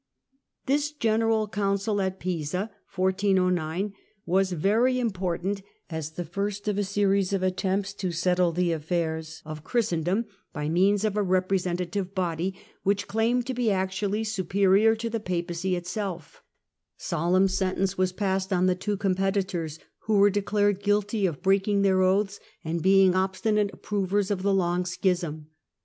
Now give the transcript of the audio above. This General Council at Pisa was very important, as council of the first of a series of attempts to settle the affairs of ^^^^>^^^^ 120 THE END OF THE MIDDLE AGE Christendom by means of a representative body, which claimed to be actually superior to the Papacy itself. Solemn sentence was passed on the two competitors, who were declared guilty of breaking their oaths and being obstinate approvers of the long Schism.